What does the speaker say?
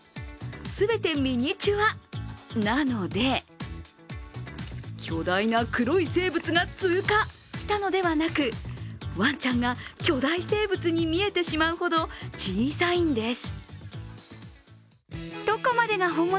全てミニチュアなので巨大な黒い生物が通過したのではなく、ワンちゃんが巨大生物に見えてしまうほど小さいんです。